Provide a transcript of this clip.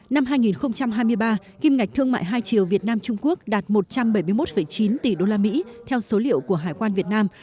năm hai nghìn hai mươi ba kim ngạch thương mại hai triều việt nam trung quốc đạt một trăm bảy mươi một chín tỷ đô la mỹ theo số liệu của hải quan việt nam